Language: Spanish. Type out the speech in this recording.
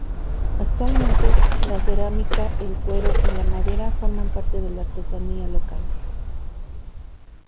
Actualmente, la cerámica, el cuero y la madera forman parte de la artesanía local.